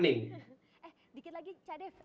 eh sedikit lagi cak dave